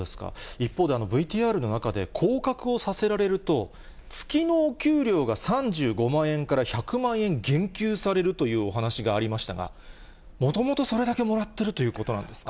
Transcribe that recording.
一方で、ＶＴＲの中で、降格をさせられると、月のお給料が３５万円から１００万円減給されるというお話がありましたが、もともとそれだけもらっているということなんですか。